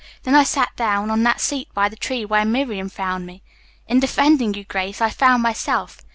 Then I sat down on that seat by the tree where Miriam found me. In defending you, Grace, I found myself.